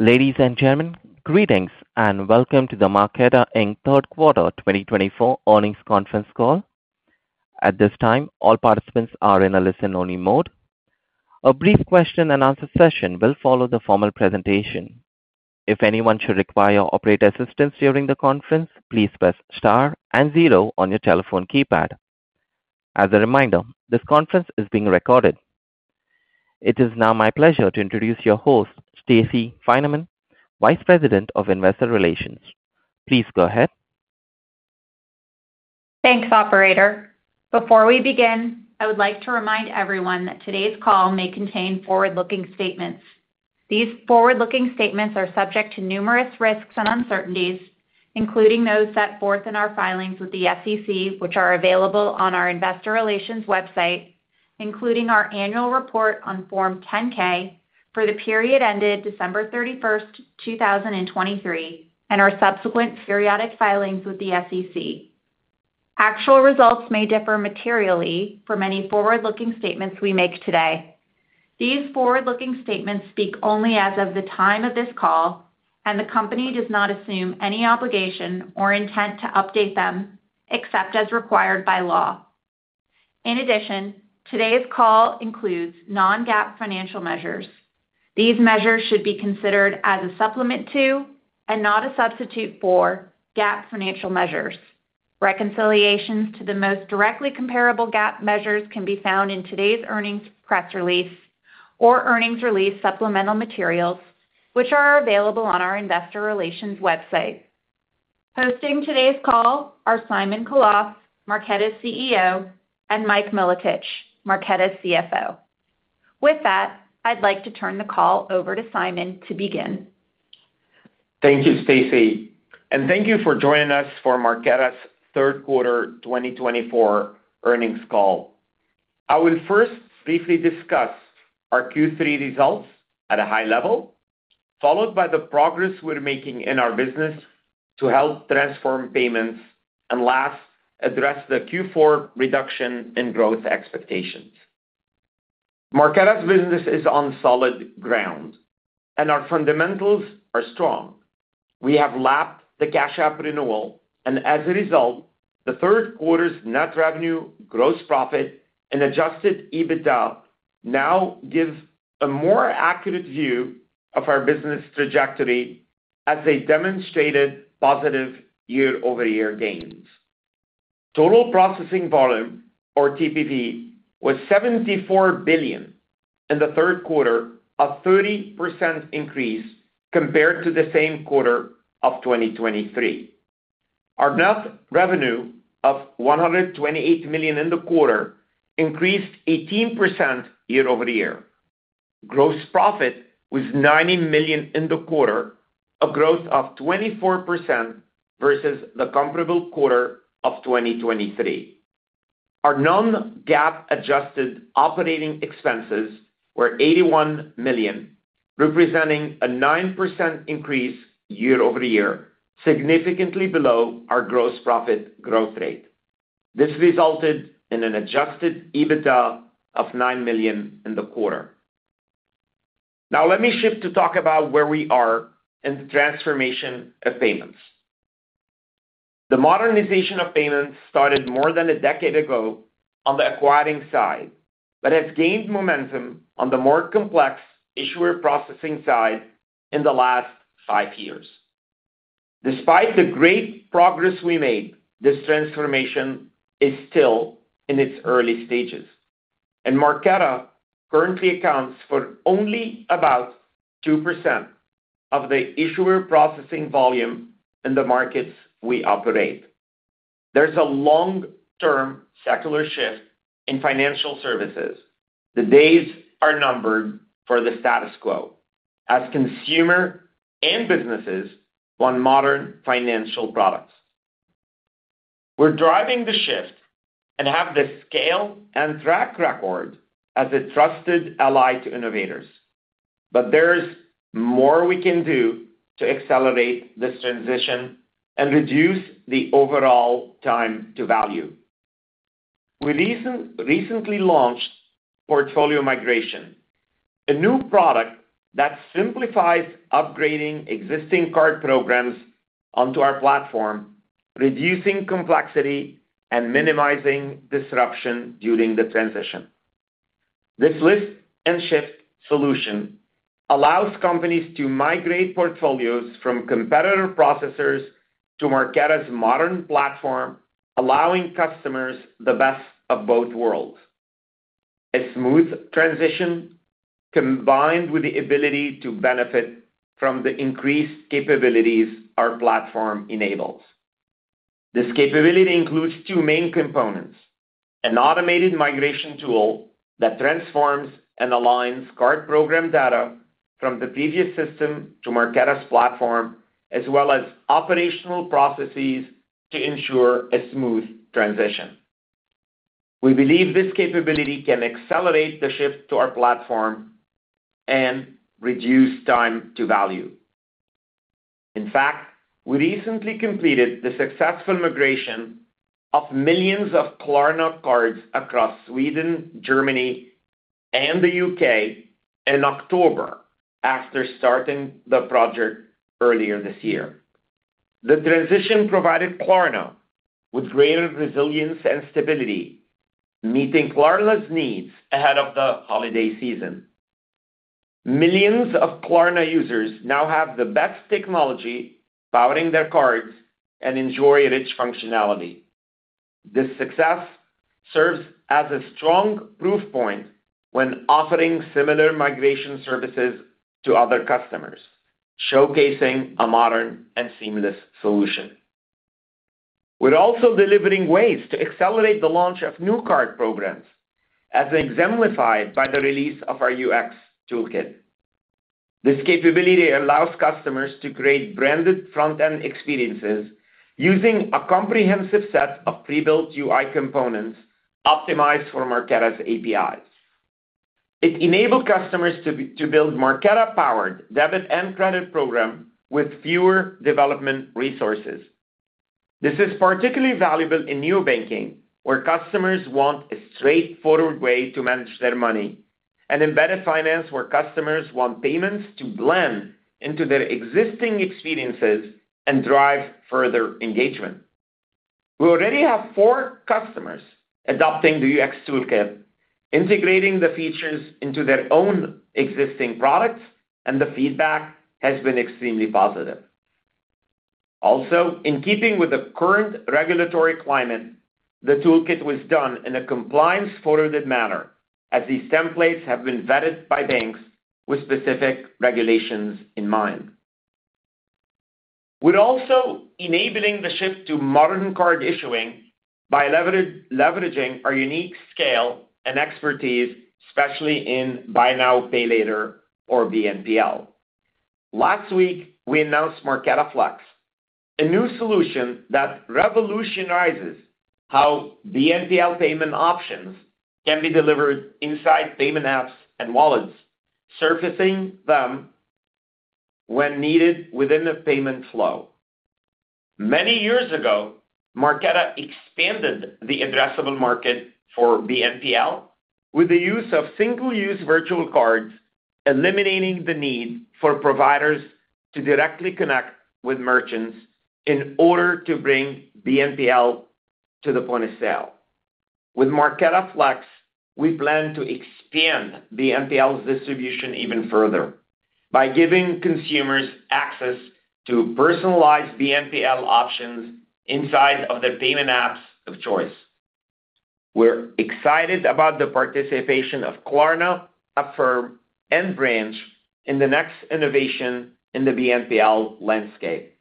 Ladies and gentlemen, greetings and welcome to the Marqeta Inc. Q3 2024 earnings conference call. At this time, all participants are in a listen-only mode. A brief question-and-answer session will follow the formal presentation. If anyone should require operator assistance during the conference, please press Star and Zero on your telephone keypad. As a reminder, this conference is being recorded. It is now my pleasure to introduce your host, Stacey Finerman, Vice President of Investor Relations. Please go ahead. Thanks, Operator. Before we begin, I would like to remind everyone that today's call may contain forward-looking statements. These forward-looking statements are subject to numerous risks and uncertainties, including those set forth in our filings with the SEC, which are available on our Investor Relations website, including our annual report on Form 10-K for the period ended December 31st 2023, and our subsequent periodic filings with the SEC. Actual results may differ materially from any forward-looking statements we make today. These forward-looking statements speak only as of the time of this call, and the company does not assume any obligation or intent to update them except as required by law. In addition, today's call includes non-GAAP financial measures. These measures should be considered as a supplement to and not a substitute for GAAP financial measures. Reconciliations to the most directly comparable GAAP measures can be found in today's earnings press release or earnings release supplemental materials, which are available on our Investor Relations website. Hosting today's call are Simon Khalaf, Marqeta's CEO, and Mike Milotich, Marqeta's CFO. With that, I'd like to turn the call over to Simon to begin. Thank you, Stacey, and thank you for joining us for Marqeta's Q3 2024 earnings call. I will first briefly discuss our Q3 results at a high level, followed by the progress we're making in our business to help transform payments, and last, address the Q4 reduction in growth expectations. Marqeta's business is on solid ground, and our fundamentals are strong. We have lapped the Cash App renewal, and as a result, the Q3 net revenue, gross profit, and Adjusted EBITDA now give a more accurate view of our business trajectory as they demonstrated positive year-over-year gains. Total Processing Volume, or TPV, was $74 billion in Q3, a 30% increase compared to the same Q3 of 2023. Our net revenue of $128 million in Q3 increased 18% year-over-year. Gross profit was $90 million in Q3, a growth of 24% versus the comparable Q3 of 2023. Our non-GAAP adjusted operating expenses were $81 million, representing a 9% increase year-over-year, significantly below our gross profit growth rate. This resulted in an adjusted EBITDA of $9 million in Q4. Now, let me shift to talk about where we are in the transformation of payments. The modernization of payments started more than a decade ago on the acquiring side but has gained momentum on the more complex issuer processing side in the last 5 years. Despite the great progress we made, this transformation is still in its early stages, and Marqeta currently accounts for only about 2% of the issuer processing volume in the markets we operate. There's a long-term secular shift in financial services. The days are numbered for the status quo as consumer and businesses want modern financial products. We're driving the shift and have the scale and track record as a trusted ally to innovators, but there's more we can do to accelerate this transition and reduce the overall time to value. We recently launched Portfolio Migration, a new product that simplifies upgrading existing card programs onto our platform, reducing complexity and minimizing disruption during the transition. This lift-and-shift solution allows companies to migrate portfolios from competitor processors to Marqeta's modern platform, allowing customers the best of both worlds. A smooth transition combined with the ability to benefit from the increased capabilities our platform enables. This capability includes 2 main components: an automated migration tool that transforms and aligns card program data from the previous system to Marqeta's platform, as well as operational processes to ensure a smooth transition. We believe this capability can accelerate the shift to our platform and reduce time to value. In fact, we recently completed the successful migration of millions of Klarna cards across Sweden, Germany, and the U.K. in October after starting the project earlier this year. The transition provided Klarna with greater resilience and stability, meeting Klarna's needs ahead of the holiday season. Millions of Klarna users now have the best technology powering their cards and enjoy rich functionality. This success serves as a strong proof point when offering similar migration services to other customers, showcasing a modern and seamless solution. We're also delivering ways to accelerate the launch of new card programs, as exemplified by the release of our UX Toolkit. This capability allows customers to create branded front-end experiences using a comprehensive set of pre-built UI components optimized for Marqeta's APIs. It enabled customers to build Marqeta-powered debit and credit programs with fewer development resources. This is particularly valuable in neobanking, where customers want a straightforward way to manage their money, and in embedded finance, where customers want payments to blend into their existing experiences and drive further engagement. We already have four customers adopting the UX Toolkit, integrating the features into their own existing products, and the feedback has been extremely positive. Also, in keeping with the current regulatory climate, the toolkit was done in a compliance-forwarded manner, as these templates have been vetted by banks with specific regulations in mind. We're also enabling the shift to modern card issuing by leveraging our unique scale and expertise, especially in Buy Now, Pay Later or BNPL. Last week, we announced Marqeta Flux, a new solution that revolutionizes how BNPL payment options can be delivered inside payment apps and wallets, surfacing them when needed within the payment flow. Many years ago, Marqeta expanded the addressable market for BNPL with the use of single-use virtual cards, eliminating the need for providers to directly connect with merchants in order to bring BNPL to the point of sale. With Marqeta Flux, we plan to expand BNPL's distribution even further by giving consumers access to personalized BNPL options inside of their payment apps of choice. We're excited about the participation of Klarna, Affirm, and Branch, in the next innovation in the BNPL landscape.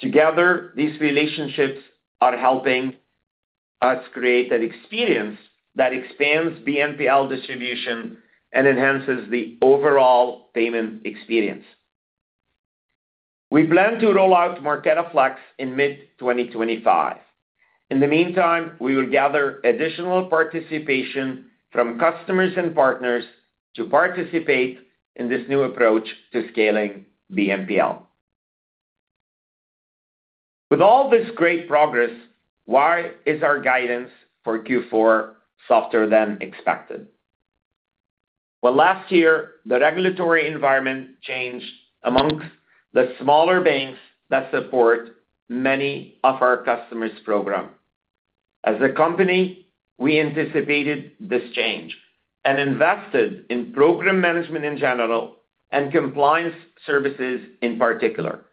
Together, these relationships are helping us create an experience that expands BNPL distribution and enhances the overall payment experience. We plan to roll out Marqeta Flux in mid-2025. In the meantime, we will gather additional participation from customers and partners to participate in this new approach to scaling BNPL. With all this great progress, why is our guidance for Q4 softer than expected? Last year, the regulatory environment changed among the smaller banks that support many of our customers' program. As a company, we anticipated this change and invested in program management in general and compliance services in particular.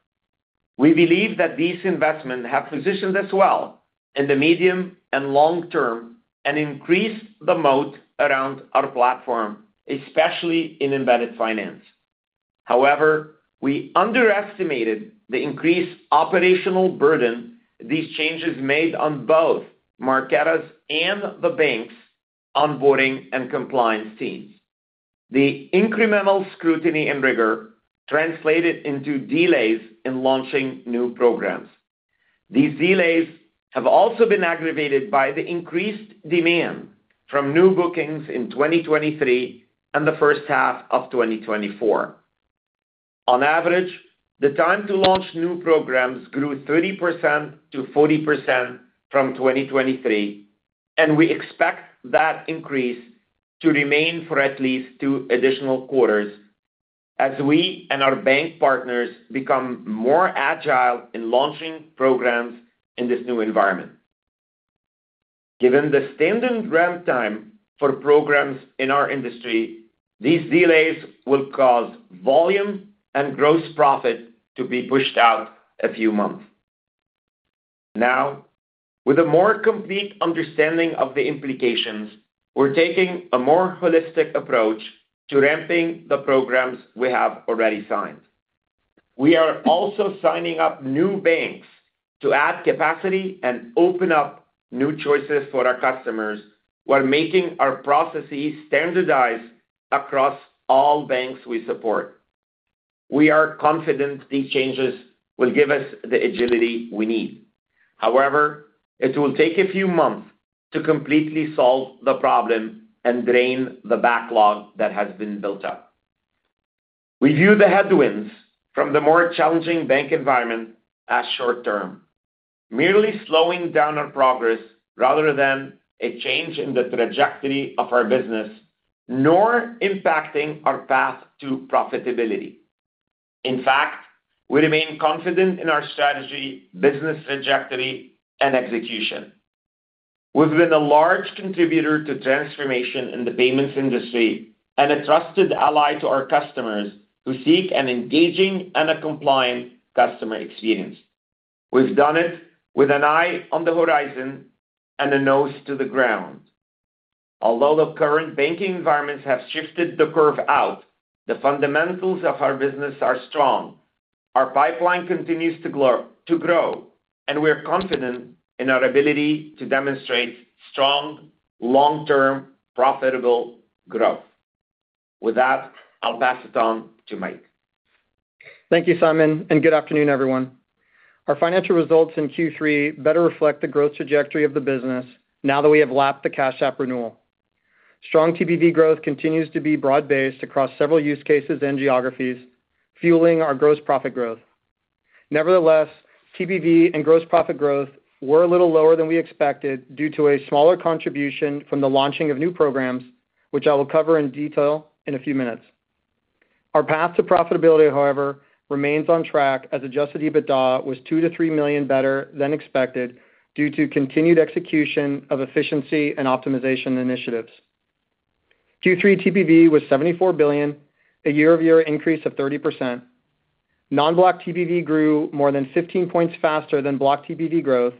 We believe that these investments have positioned us well in the medium and long term and increased the moat around our platform, especially in embedded finance. However, we underestimated the increased operational burden these changes made on both Marqeta's and the bank's onboarding and compliance teams. The incremental scrutiny and rigor translated into delays in launching new programs. These delays have also been aggravated by the increased demand from new bookings in 2023 and the first half of 2024. On average, the time to launch new programs grew 30%-40 from 2023, and we expect that increase to remain for at least 2 additional quarters as we and our bank partners become more agile in launching programs in this new environment. Given the standing ramp time for programs in our industry, these delays will cause volume and gross profit to be pushed out a few months. Now, with a more complete understanding of the implications, we're taking a more holistic approach to ramping the programs we have already signed. We are also signing up new banks to add capacity and open up new choices for our customers while making our processes standardized across all banks we support. We are confident these changes will give us the agility we need. However, it will take a few months to completely solve the problem and drain the backlog that has been built up. We view the headwinds from the more challenging bank environment as short-term, merely slowing down our progress rather than a change in the trajectory of our business, nor impacting our path to profitability. In fact, we remain confident in our strategy, business trajectory, and execution. We've been a large contributor to transformation in the payments industry and a trusted ally to our customers who seek an engaging and a compliant customer experience. We've done it with an eye on the horizon and a nose to the ground. Although the current banking environments have shifted the curve out, the fundamentals of our business are strong. Our pipeline continues to grow, and we're confident in our ability to demonstrate strong, long-term, profitable growth. With that, I'll pass it on to Mike. Thank you, Simon, and good afternoon, everyone. Our financial results in Q3 better reflect the growth trajectory of the business now that we have lapped the Cash App renewal. Strong TPV growth continues to be broad-based across several use cases and geographies, fueling our gross profit growth. Nevertheless, TPV and gross profit growth were a little lower than we expected due to a smaller contribution from the launching of new programs, which I will cover in detail in a few minutes. Our path to profitability, however, remains on track as Adjusted EBITDA was $2-3 million better than expected due to continued execution of efficiency and optimization initiatives. Q3 TPV was $74 billion, a year-over-year increase of 30%. Non-Block TPV grew more than 15 points faster than Block TPV growth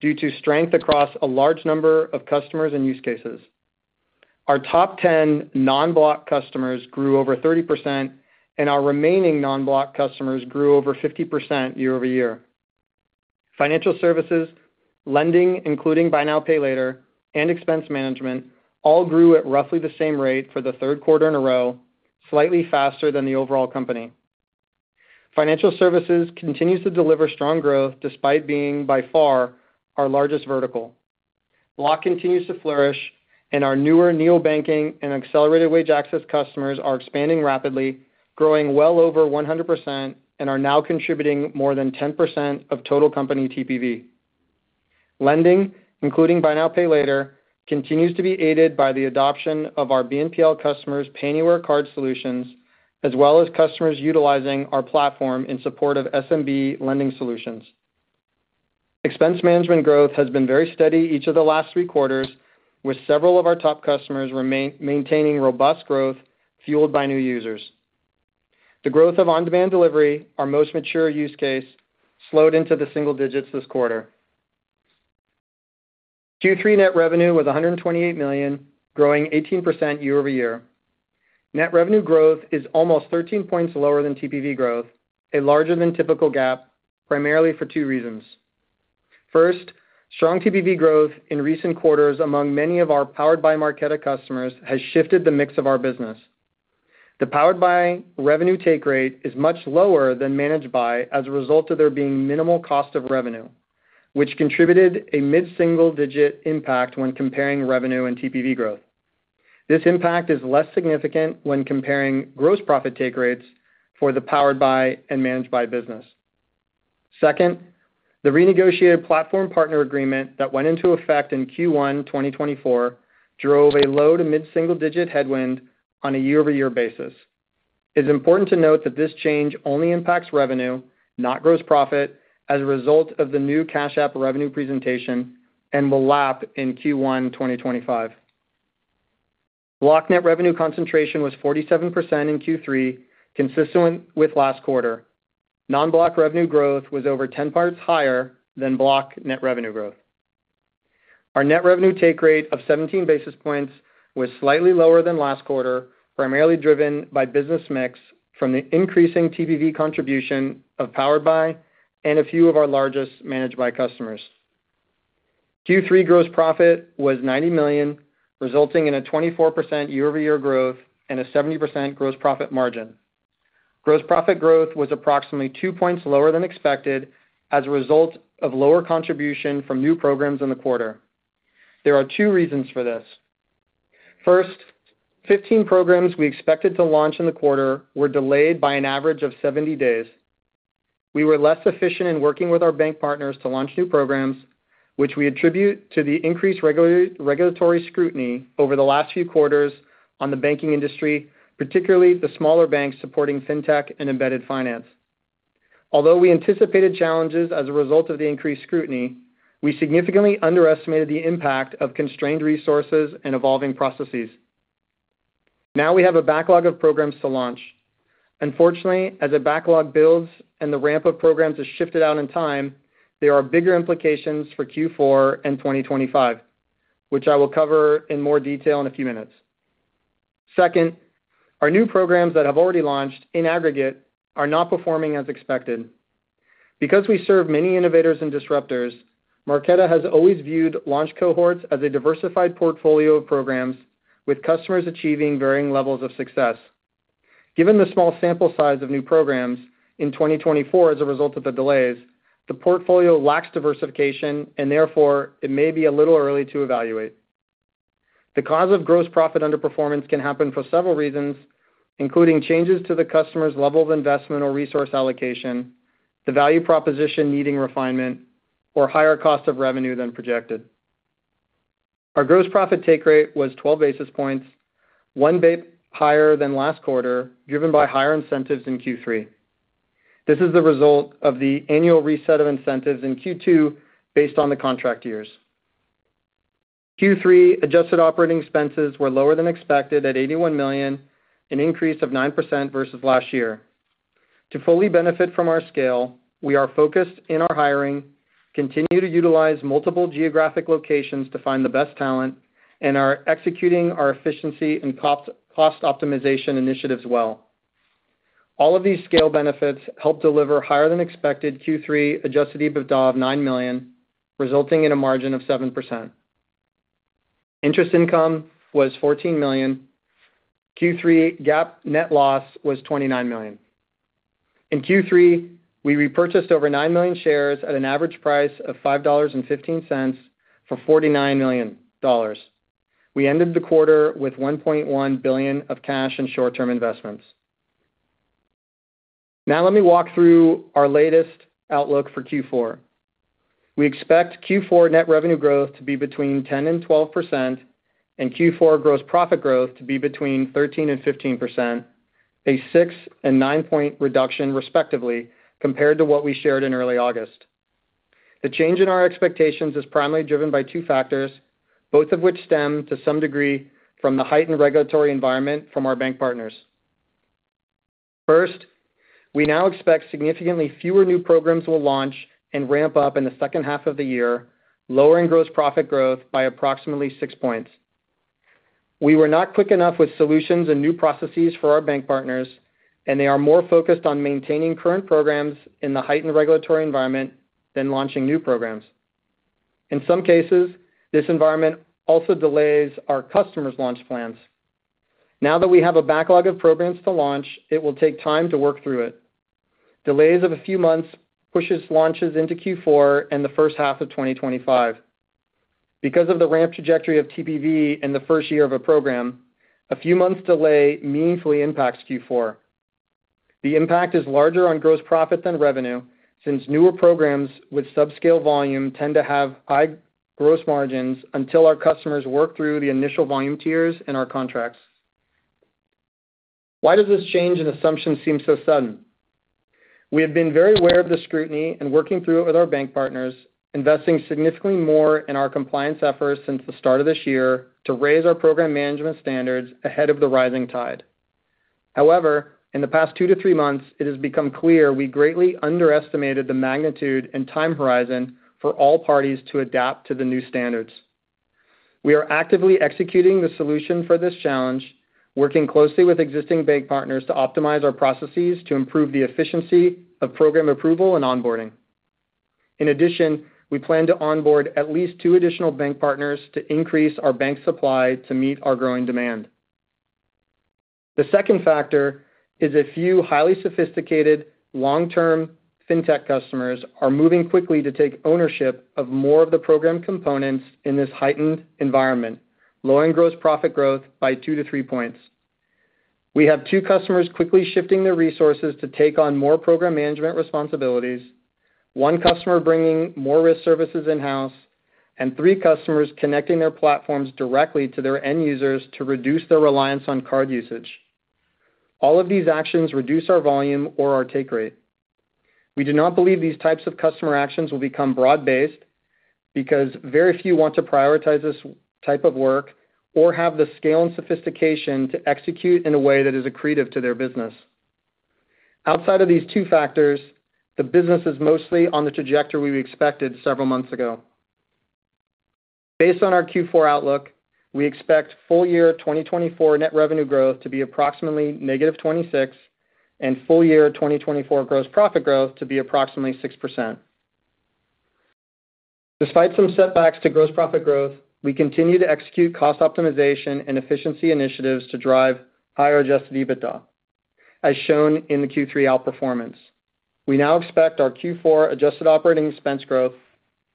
due to strength across a large number of customers and use cases. Our top 10 non-Block customers grew over 30%, and our remaining non-Block customers grew over 50% year-over-year. Financial services, lending, including Buy Now, Pay Later, and expense management, all grew at roughly the same rate for the third quarter in a row, slightly faster than the overall company. Financial services continues to deliver strong growth despite being by far our largest vertical. Block continues to flourish, and our newer neobanking and accelerated wage access customers are expanding rapidly, growing well over 100% and are now contributing more than 10% of total company TPV. Lending, including Buy Now, Pay Later, continues to be aided by the adoption of our BNPL customers' Pay Anywhere card solutions, as well as customers utilizing our platform in support of SMB lending solutions. Expense management growth has been very steady each of the last 3 quarters, with several of our top customers maintaining robust growth fueled by new users. The growth of on-demand delivery, our most mature use case, slowed into the single digits this quarter. Q3 net revenue was $128 million, growing 18% year-over-year. Net revenue growth is almost 13 points lower than TPV growth, a larger than typical gap, primarily for 2 reasons. First, strong TPV growth in recent quarters among many of our Powered By Marqeta customers has shifted the mix of our business. The Powered By revenue take rate is much lower than Managed By as a result of there being minimal cost of revenue, which contributed a mid-single-digit impact when comparing revenue and TPV growth. This impact is less significant when comparing gross profit take rates for the Powered By and Managed By business. Second, the renegotiated platform partner agreement that went into effect in Q1 2024 drove a low to mid-single-digit headwind on a year-over-year basis. It's important to note that this change only impacts revenue, not gross profit, as a result of the new cash-up revenue presentation and will lap in Q1 2025. Block net revenue concentration was 47% in Q3, consistent with last quarter. Non-block revenue growth was over 10 parts higher than block net revenue growth. Our net revenue take rate of 17 basis points was slightly lower than last quarter, primarily driven by business mix from the increasing TPV contribution of Powered By and a few of our largest Managed By customers. Q3 gross profit was $90 million, resulting in a 24% year-over-year growth and a 70% gross profit margin. Gross profit growth was approximately 2 points lower than expected as a result of lower contribution from new programs in the quarter. There are 2 reasons for this. First, 15 programs we expected to launch in the quarter were delayed by an average of 70 days. We were less efficient in working with our bank partners to launch new programs, which we attribute to the increased regulatory scrutiny over the last few quarters on the banking industry, particularly the smaller banks supporting fintech and embedded finance. Although we anticipated challenges as a result of the increased scrutiny, we significantly underestimated the impact of constrained resources and evolving processes. Now we have a backlog of programs to launch. Unfortunately, as a backlog builds and the ramp of programs is shifted out in time, there are bigger implications for Q4 and 2025, which I will cover in more detail in a few minutes. Second, our new programs that have already launched in aggregate are not performing as expected. Because we serve many innovators and disruptors, Marqeta has always viewed launch cohorts as a diversified portfolio of programs with customers achieving varying levels of success. Given the small sample size of new programs in 2024 as a result of the delays, the portfolio lacks diversification, and therefore, it may be a little early to evaluate. The cause of gross profit underperformance can happen for several reasons, including changes to the customer's level of investment or resource allocation, the value proposition needing refinement, or higher cost of revenue than projected. Our gross profit take rate was 12 basis points, one bit higher than last quarter, driven by higher incentives in Q3. This is the result of the annual reset of incentives in Q2 based on the contract years. Q3 adjusted operating expenses were lower than expected at $81 million, an increase of 9% versus last year. To fully benefit from our scale, we are focused in our hiring, continue to utilize multiple geographic locations to find the best talent, and are executing our efficiency and cost optimization initiatives well. All of these scale benefits help deliver higher than expected Q3 adjusted EBITDA of $9 million, resulting in a margin of 7%. Interest income was $14 million. Q3 GAAP net loss was $29 million. In Q3, we repurchased over 9 million shares at an average price of $5.15 for 49 million. We ended the quarter with $1.1 billion of cash and short-term investments. Now, let me walk through our latest outlook for Q4. We expect Q4 net revenue growth to be between 10% and 12% and Q4 gross profit growth to be between 13% and 15, a 6 and 9 point reduction respectively compared to what we shared in early August. The change in our expectations is primarily driven by 2 factors, both of which stem to some degree from the heightened regulatory environment from our bank partners. First, we now expect significantly fewer new programs will launch and ramp up in the second half of the year, lowering gross profit growth by approximately 6 points. We were not quick enough with solutions and new processes for our bank partners, and they are more focused on maintaining current programs in the heightened regulatory environment than launching new programs. In some cases, this environment also delays our customers' launch plans. Now that we have a backlog of programs to launch, it will take time to work through it. Delays of a few months push launches into Q4 and the first half of 2025. Because of the ramp trajectory of TPV in the first year of a program, a few months' delay meaningfully impacts Q4. The impact is larger on gross profit than revenue since newer programs with subscale volume tend to have high gross margins until our customers work through the initial volume tiers in our contracts. Why does this change in assumption seem so sudden? We have been very aware of the scrutiny and working through it with our bank partners, investing significantly more in our compliance efforts since the start of this year to raise our program management standards ahead of the rising tide. However, in the past 2-3 months, it has become clear we greatly underestimated the magnitude and time horizon for all parties to adapt to the new standards. We are actively executing the solution for this challenge, working closely with existing bank partners to optimize our processes to improve the efficiency of program approval and onboarding. In addition, we plan to onboard at least 2 additional bank partners to increase our bank supply to meet our growing demand. The second factor is a few highly sophisticated, long-term fintech customers are moving quickly to take ownership of more of the program components in this heightened environment, lowering gross profit growth by 2-3 points. We have 2 customers quickly shifting their resources to take on more program management responsibilities, one customer bringing more risk services in-house, and 3 customers connecting their platforms directly to their end users to reduce their reliance on card usage. All of these actions reduce our volume or our take rate. We do not believe these types of customer actions will become broad-based because very few want to prioritize this type of work or have the scale and sophistication to execute in a way that is accretive to their business. Outside of these 2 factors, the business is mostly on the trajectory we expected several months ago. Based on our Q4 outlook, we expect full year 2024 net revenue growth to be approximately negative 26% and full year 2024 gross profit growth to be approximately 6%. Despite some setbacks to gross profit growth, we continue to execute cost optimization and efficiency initiatives to drive higher Adjusted EBITDA, as shown in the Q3 outperformance. We now expect our Q4 adjusted operating expense growth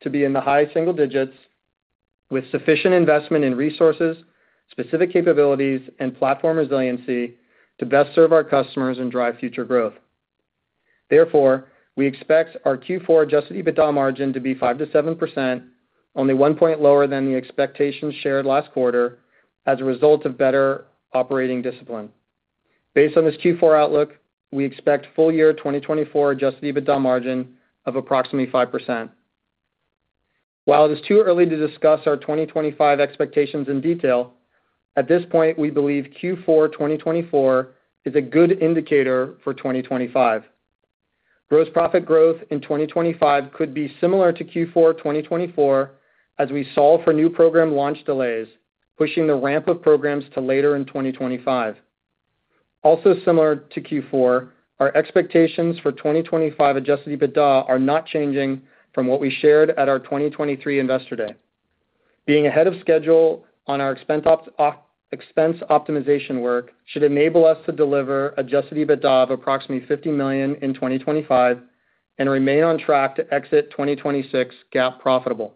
to be in the high single digits with sufficient investment in resources, specific capabilities, and platform resiliency to best serve our customers and drive future growth. Therefore, we expect our Q4 Adjusted EBITDA margin to be 5%-7, only one point lower than the expectations shared last quarter as a result of better operating discipline. Based on this Q4 outlook, we expect full year 2024 Adjusted EBITDA margin of approximately 5%. While it is too early to discuss our 2025 expectations in detail, at this point, we believe Q4 2024 is a good indicator for 2025. Gross profit growth in 2025 could be similar to Q4 2024 as we solve for new program launch delays, pushing the ramp of programs to later in 2025. Also similar to Q4, our expectations for 2025 Adjusted EBITDA are not changing from what we shared at our 2023 investor day. Being ahead of schedule on our expense optimization work should enable us to deliver Adjusted EBITDA of approximately $50 million in 2025 and remain on track to exit 2026 GAAP profitable.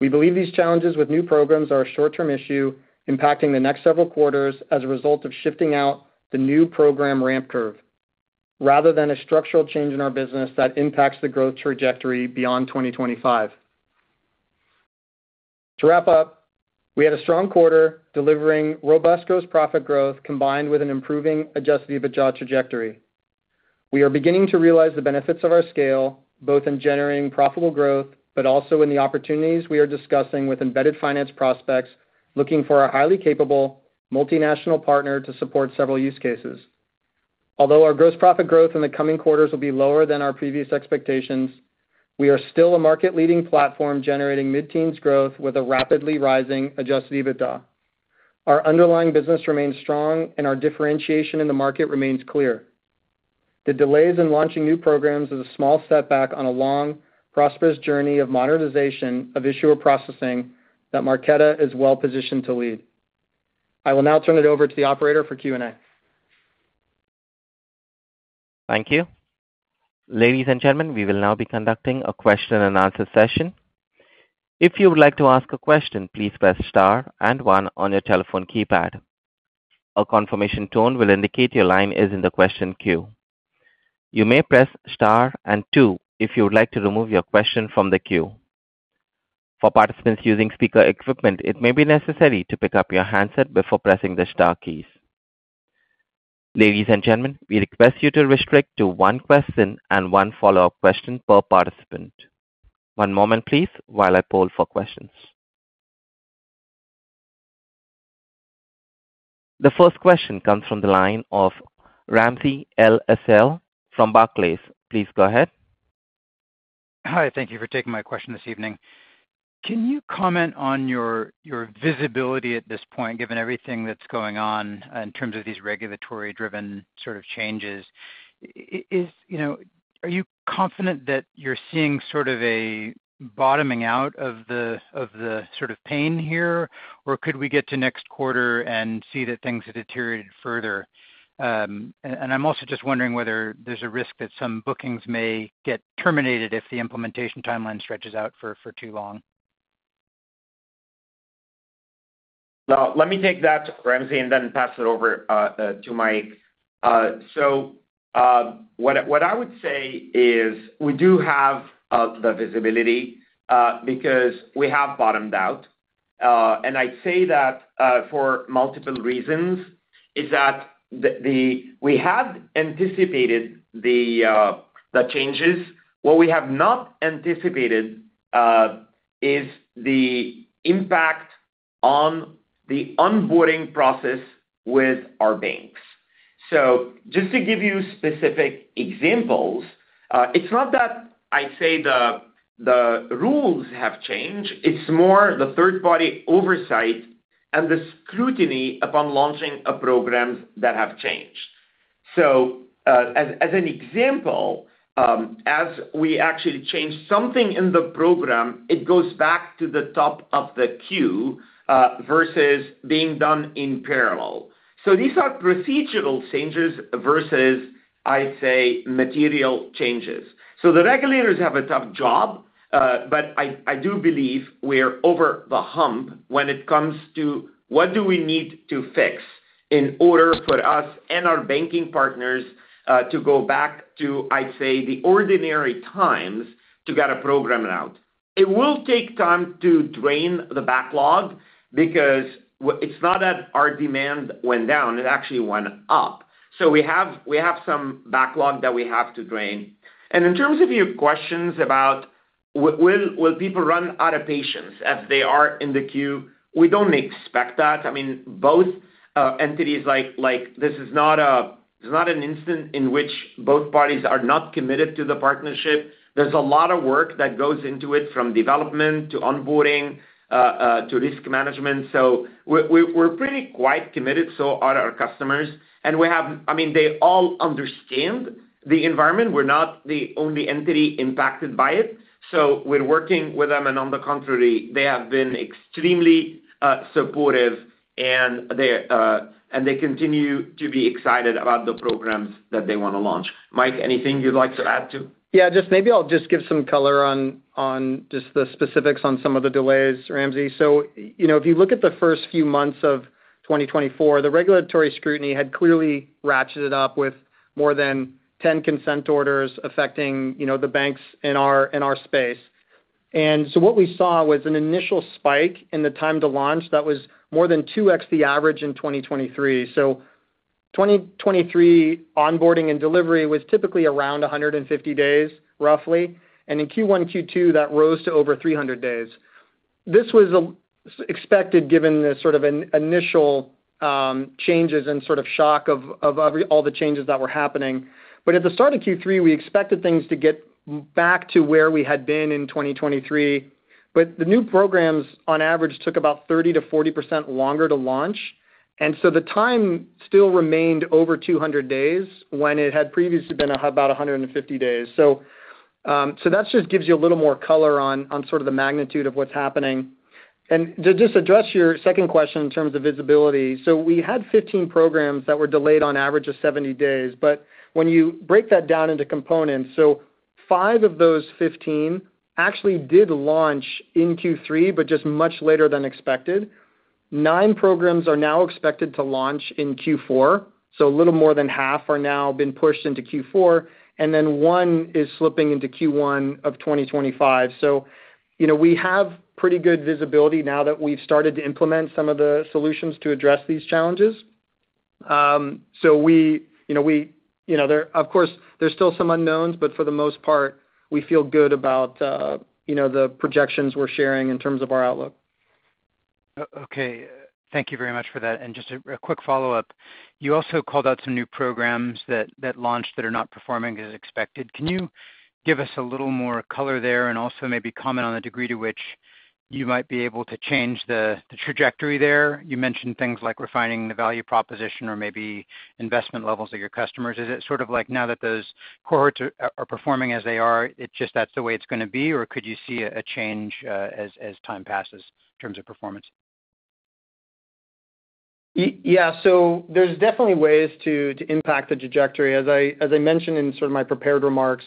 We believe these challenges with new programs are a short-term issue impacting the next several quarters as a result of shifting out the new program ramp curve rather than a structural change in our business that impacts the growth trajectory beyond 2025. To wrap up, we had a strong quarter delivering robust gross profit growth combined with an improving Adjusted EBITDA trajectory. We are beginning to realize the benefits of our scale, both in generating profitable growth but also in the opportunities we are discussing with embedded finance prospects looking for a highly capable multinational partner to support several use cases. Although our gross profit growth in the coming quarters will be lower than our previous expectations, we are still a market-leading platform generating mid-teens growth with a rapidly rising Adjusted EBITDA. Our underlying business remains strong, and our differentiation in the market remains clear. The delays in launching new programs is a small setback on a long, prosperous journey of modernization of issuer processing that Marqeta is well-positioned to lead. I will now turn it over to the operator for Q&A. Thank you. Ladies and gentlemen, we will now be conducting a question and answer session. If you would like to ask a question, please press star and one on your telephone keypad. A confirmation tone will indicate your line is in the question queue. You may press star and two if you would like to remove your question from the queue. For participants using speaker equipment, it may be necessary to pick up your handset before pressing the star keys. Ladies and gentlemen, we request you to restrict to one question and one follow-up question per participant. One moment, please, while I poll for questions. The first question comes from the line of Ramsey El-Assal from Barclays. Please go ahead. Hi. Thank you for taking my question this evening. Can you comment on your visibility at this point, given everything that's going on in terms of these regulatory-driven sort of changes? Are you confident that you're seeing sort of a bottoming out of the sort of pain here, or could we get to next quarter and see that things have deteriorated further? And I'm also just wondering whether there's a risk that some bookings may get terminated if the implementation timeline stretches out for too long. Well, let me take that, Ramsey, and then pass it over to Mike. So what I would say is we do have the visibility because we have bottomed out. And I'd say that for multiple reasons is that we have anticipated the changes. What we have not anticipated is the impact on the onboarding process with our banks. So just to give you specific examples, it's not that I'd say the rules have changed. It's more the third-party oversight and the scrutiny upon launching programs that have changed. So as an example, as we actually change something in the program, it goes back to the top of the queue versus being done in parallel. So these are procedural changes versus, I'd say, material changes. So the regulators have a tough job, but I do believe we're over the hump when it comes to what do we need to fix in order for us and our banking partners to go back to, I'd say, the ordinary times to get a program out. It will take time to drain the backlog because it's not that our demand went down. It actually went up. So we have some backlog that we have to drain. And in terms of your questions about will people run out of patience as they are in the queue, we don't expect that. I mean, both entities. This is not an instance in which both parties are not committed to the partnership. There's a lot of work that goes into it from development to onboarding to risk management, so we're pretty quite committed, so are our customers. I mean, they all understand the environment. We're not the only entity impacted by it, so we're working with them. On the contrary, they have been extremely supportive, and they continue to be excited about the programs that they want to launch. Mike, anything you'd like to add to? Yeah. Just maybe I'll just give some color on just the specifics on some of the delays, Ramsey. If you look at the first few months of 2024, the regulatory scrutiny had clearly ratcheted up with more than 10 consent orders affecting the banks in our space. And so what we saw was an initial spike in the time to launch that was more than 2x the average in 2023. So 2023 onboarding and delivery was typically around 150 days, roughly. And in Q1, Q2, that rose to over 300 days. This was expected given the sort of initial changes and sort of shock of all the changes that were happening. But at the start of Q3, we expected things to get back to where we had been in 2023. But the new programs, on average, took about 30%-40 longer to launch. And so the time still remained over 200 days when it had previously been about 150 days. So that just gives you a little more color on sort of the magnitude of what's happening. To just address your second question in terms of visibility, so we had 15 programs that were delayed on average of 70 days. But when you break that down into components, so 5 of those 15 actually did launch in Q3, but just much later than expected. 9 programs are now expected to launch in Q4. So a little more than half have now been pushed into Q4. And then one is slipping into Q1 of 2025. So we have pretty good visibility now that we've started to implement some of the solutions to address these challenges. So we know that, of course, there's still some unknowns, but for the most part, we feel good about the projections we're sharing in terms of our outlook. Okay. Thank you very much for that. And just a quick follow-up. You also called out some new programs that launched that are not performing as expected. Can you give us a little more color there and also maybe comment on the degree to which you might be able to change the trajectory there? You mentioned things like refining the value proposition or maybe investment levels of your customers. Is it sort of like now that those cohorts are performing as they are, it's just that's the way it's going to be, or could you see a change as time passes in terms of performance? Yeah. So there's definitely ways to impact the trajectory, as I mentioned in sort of my prepared remarks.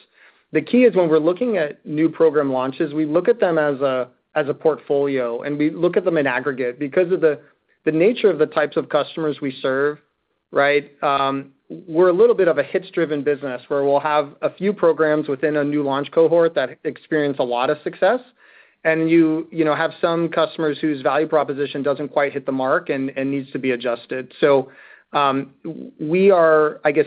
The key is when we're looking at new program launches, we look at them as a portfolio, and we look at them in aggregate. Because of the nature of the types of customers we serve, right, we're a little bit of a hits-driven business where we'll have a few programs within a new launch cohort that experience a lot of success, and you have some customers whose value proposition doesn't quite hit the mark and needs to be adjusted. So we are, I guess,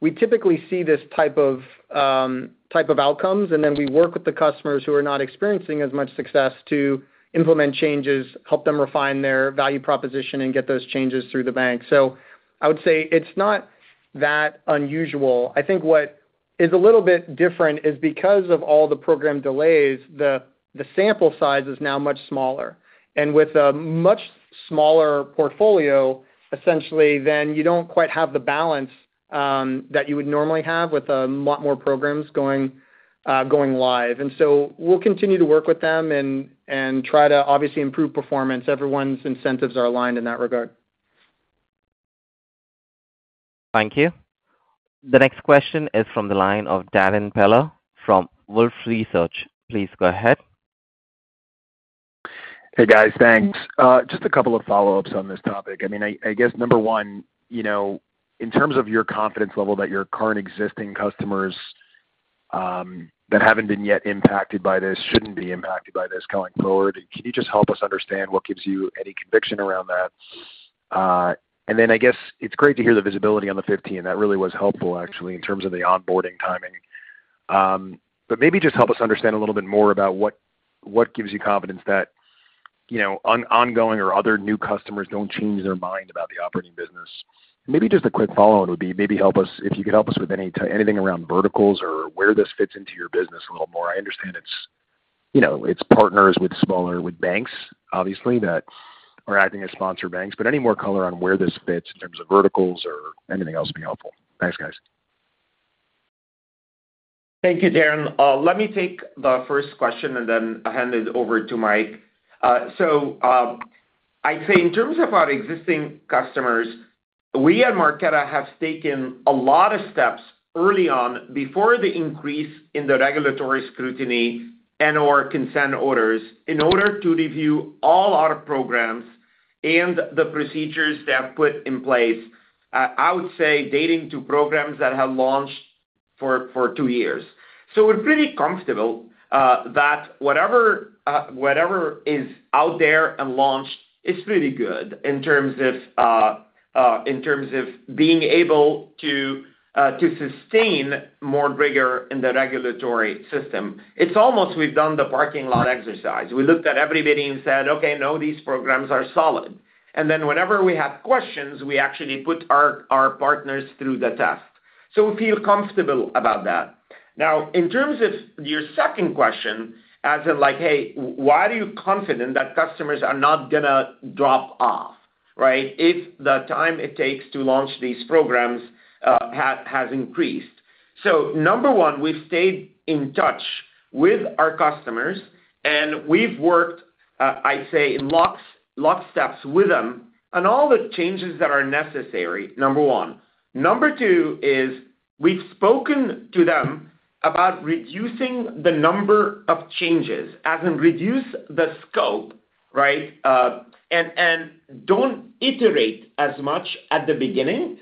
we typically see this type of outcomes, and then we work with the customers who are not experiencing as much success to implement changes, help them refine their value proposition, and get those changes through the bank. So I would say it's not that unusual. I think what is a little bit different is because of all the program delays, the sample size is now much smaller. With a much smaller portfolio, essentially, then you don't quite have the balance that you would normally have with a lot more programs going live. And so we'll continue to work with them and try to obviously improve performance. Everyone's incentives are aligned in that regard. Thank you. The next question is from the line of Darren Peller from Wolfe Research. Please go ahead. Hey, guys. Thanks. Just a couple of follow-ups on this topic. I mean, I guess number one, in terms of your confidence level that your current existing customers that haven't been yet impacted by this shouldn't be impacted by this going forward, can you just help us understand what gives you any conviction around that? And then I guess it's great to hear the visibility on the 15. That really was helpful, actually, in terms of the onboarding timing. But maybe just help us understand a little bit more about what gives you confidence that ongoing or other new customers don't change their mind about the operating business. Maybe just a quick follow-on would be maybe help us if you could help us with anything around verticals or where this fits into your business a little more. I understand it partners with smaller banks, obviously, that are acting as sponsor banks. But any more color on where this fits in terms of verticals or anything else would be helpful. Thanks, guys. Thank you, Darren. Let me take the first question and then hand it over to Mike. So I'd say in terms of our existing customers, we at Marqeta have taken a lot of steps early on before the increase in the regulatory scrutiny and/or consent orders in order to review all our programs and the procedures they have put in place, I would say, dating to programs that have launched for 2 years. So we're pretty comfortable that whatever is out there and launched is pretty good in terms of being able to sustain more rigor in the regulatory system. It's almost we've done the parking lot exercise. We looked at everybody and said, "Okay, no, these programs are solid." And then whenever we have questions, we actually put our partners through the test. So we feel comfortable about that. Now, in terms of your second question, as in like, "Hey, why are you confident that customers are not going to drop off, right, if the time it takes to launch these programs has increased?" So number one, we've stayed in touch with our customers, and we've worked, I'd say, in lockstep with them on all the changes that are necessary, number one. Number 2 is we've spoken to them about reducing the number of changes, as in reduce the scope, right, and don't iterate as much at the beginning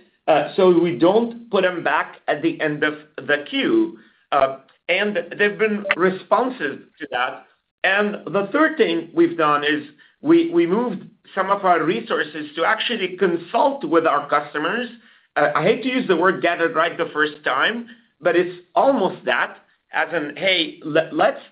so we don't put them back at the end of the queue. And they've been responsive to that. And the third thing we've done is we moved some of our resources to actually consult with our customers. I hate to use the word get it right the first time, but it's almost that, as in, "Hey, let's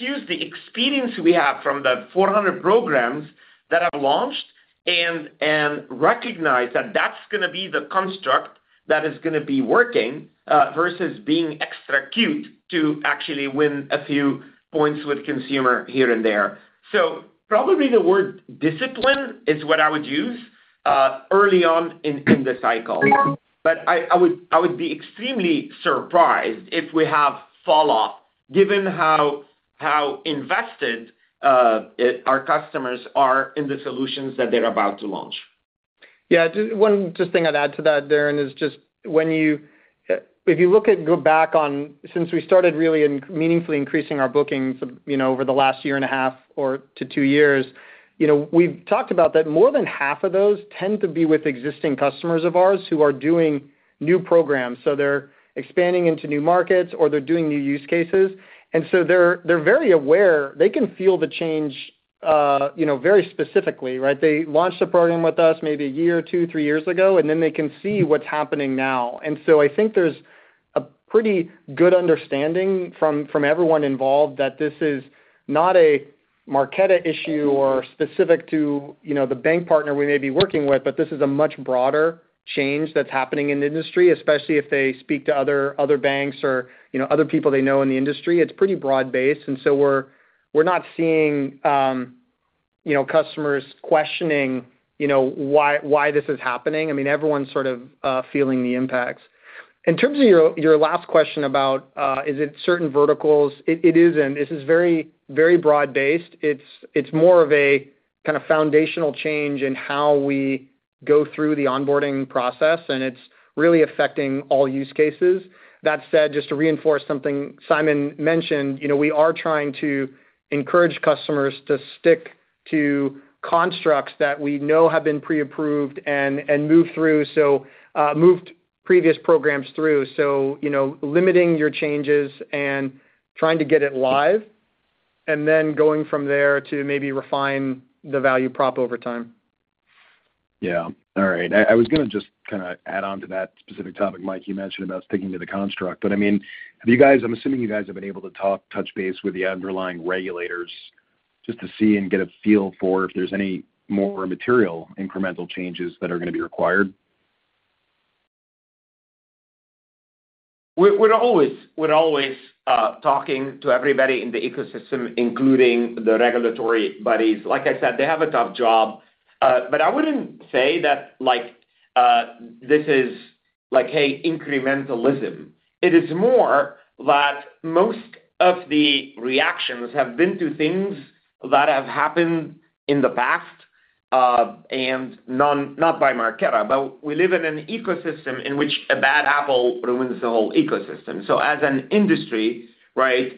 use the experience we have from the 400 programs that have launched and recognize that that's going to be the construct that is going to be working versus being extra cute to actually win a few points with consumer here and there." So probably the word discipline is what I would use early on in the cycle. But I would be extremely surprised if we have falloff given how invested our customers are in the solutions that they're about to launch. Just one thing I'd add to that, Darren, is just if you look back on since we started really meaningfully increasing our bookings over the last year and a half or to 2 years. We've talked about that more than half of those tend to be with existing customers of ours who are doing new programs. So they're expanding into new markets or they're doing new use cases. So they're very aware. They can feel the change very specifically, right? They launched a program with us maybe a year, 2, 3 years ago, and then they can see what's happening now. And so I think there's a pretty good understanding from everyone involved that this is not a Marqeta issue or specific to the bank partner we may be working with, but this is a much broader change that's happening in the industry, especially if they speak to other banks or other people they know in the industry. It's pretty broad-based. And so we're not seeing customers questioning why this is happening. I mean, everyone's sort of feeling the impacts. In terms of your last question about is it certain verticals, it isn't. This is very broad-based. It's more of a kind of foundational change in how we go through the onboarding process, and it's really affecting all use cases. That said, just to reinforce something Simon mentioned, we are trying to encourage customers to stick to constructs that we know have been pre-approved and moved through, so moved previous programs through. So limiting your changes and trying to get it live, and then going from there to maybe refine the value prop over time. Yeah. All right. I was going to just kind of add on to that specific topic, Mike. You mentioned about sticking to the construct. But I mean, have you guys? I'm assuming you guys have been able to talk, touch base with the underlying regulators just to see and get a feel for if there's any more material incremental changes that are going to be required? We're always talking to everybody in the ecosystem, including the regulatory buddies. Like I said, they have a tough job. But I wouldn't say that this is like, "Hey, incrementalism." It is more that most of the reactions have been to things that have happened in the past and not by Marqeta. But we live in an ecosystem in which a bad apple ruins the whole ecosystem. So as an industry, right,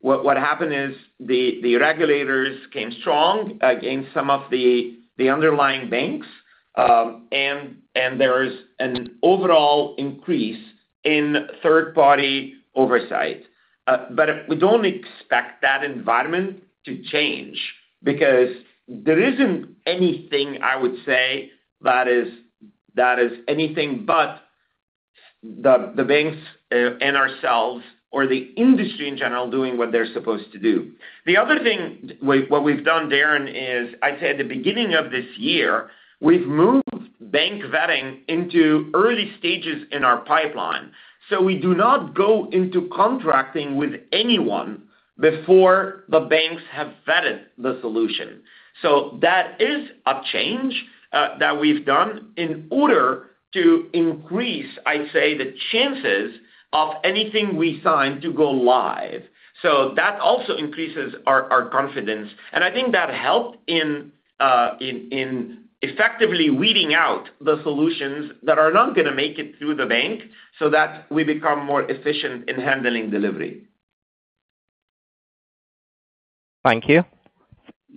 what happened is the regulators came strong against some of the underlying banks, and there is an overall increase in third-party oversight. But we don't expect that environment to change because there isn't anything, I would say, that is anything but the banks and ourselves or the industry in general doing what they're supposed to do. The other thing what we've done, Darren, is I'd say at the beginning of this year, we've moved bank vetting into early stages in our pipeline. So we do not go into contracting with anyone before the banks have vetted the solution. That is a change that we've done in order to increase, I'd say, the chances of anything we sign to go live. That also increases our confidence. And I think that helped in effectively weeding out the solutions that are not going to make it through the bank so that we become more efficient in handling delivery. Thank you.